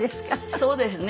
そうですね。